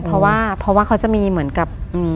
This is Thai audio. เพราะว่าเขาจะมีเหมือนกับ